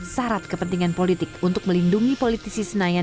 dan mengharap kepentingan politik untuk melindungi politisi senayan